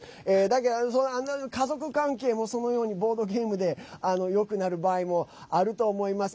家族関係もそのようにボードゲームでよくなる場合もあると思います。